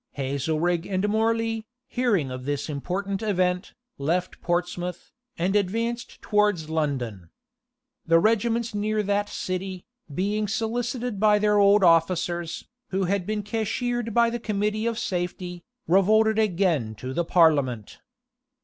Hazelrig and Morley, hearing of this important event, left Portsmouth, and advanced towards London. The regiments near that city, being solicited by their old officers, who had been cashiered by the committee of safety, revolted again to the parliament.